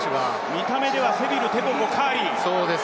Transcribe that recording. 見た目ではセビル、テボゴ、カーリー。